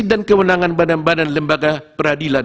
dan kewenangan badan badan lembaga peradilan